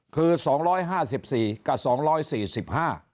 คือ๒๕๔กับ๒๔๕